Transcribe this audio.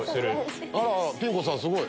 ピン子さんすごい！